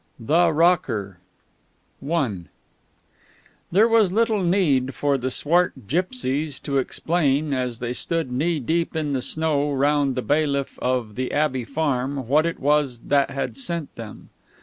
_" THE ROCKER I There was little need for the swart gipsies to explain, as they stood knee deep in the snow round the bailiff of the Abbey Farm, what it was that had sent them.